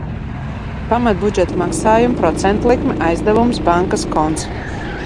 Pamatbudžeta maksājumi, procentu likme, aizdevums. Bankas konts.